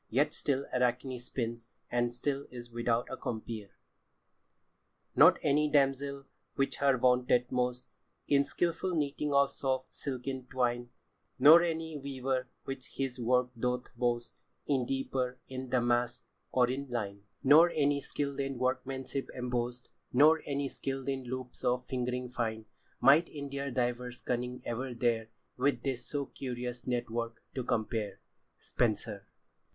Yet still Arachne spins, and still is without a compeer. "Not anie damzell, which her vaunteth most In skilfull knitting of soft silken twyne, Nor anie weaver, which his worke doth boast In dieper, in damaske, or in lyne, Nor anie skil'd in workmanship embost, Nor anie skil'd in loupes of fingring fine, Might in their divers cunning ever dare With this so curious networke to compare." Spenser.